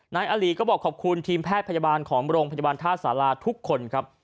นายอลีก็บอกขอบคุณทีมแพทย์พยาบาลของโรงพยาบาลท่าสาราทุกคนครับ